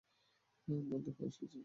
আম্মা, ধোপা এসেছে।